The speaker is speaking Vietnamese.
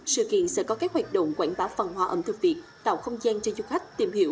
sự kiện sẽ có các hoạt động quảng bá văn hóa ẩm thực việt tạo không gian cho du khách tìm hiểu